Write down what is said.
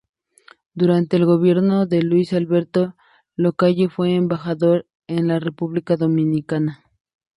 Durante el gobierno de Luis Alberto Lacalle fue embajador en la República Dominicana.